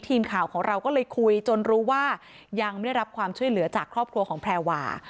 ทีมข่าวของเราก็เลยคุยจนรู้ว่ายังไม่ได้รับความช่วยเหลือจากครอบครัวของแพรวา